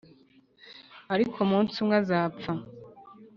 ariko munsi umwe azapfa